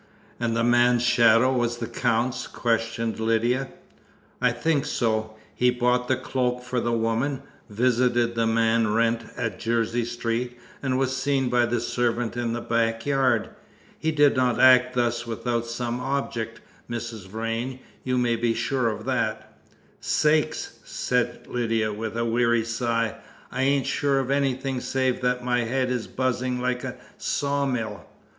"And the man's shadow was the Count's?" questioned Lydia. "I think so. He bought the cloak for the woman, visited the man Wrent at Jersey Street, and was seen by the servant in the back yard. He did not act thus without some object, Mrs. Vrain, you may be sure of that." "Sakes!" said Lydia, with a weary sigh. "I ain't sure of anything save that my head is buzzing like a sawmill.